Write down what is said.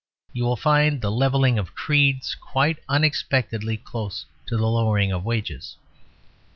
You will find the levelling of creeds quite unexpectedly close to the lowering of wages.